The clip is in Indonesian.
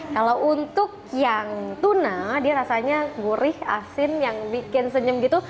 kalau untuk yang tuna dia rasanya gurih asin yang bikin senyum gitu